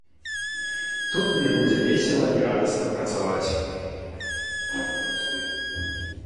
Тут мне будзе весела і радасна працаваць.